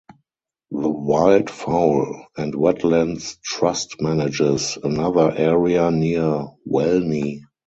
The Wildfowl and Wetlands Trust manages another area near Welney.